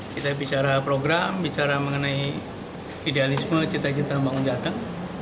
kita bicara program bicara mengenai idealisme cita cita membangun jateng